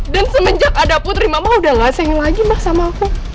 dan semenjak ada putri mama udah gak sayangin lagi sama aku